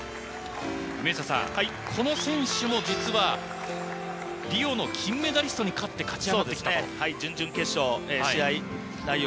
梅下さん、この選手も実はリオの金メダリストに勝って勝ち上がってきたと。